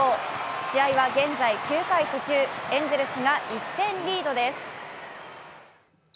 試合は現在９回途中、エンゼルスが１点リードです。